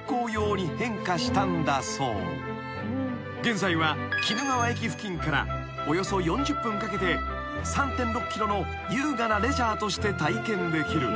［現在は鬼怒川駅付近からおよそ４０分かけて３．６ｋｍの優雅なレジャーとして体験できる］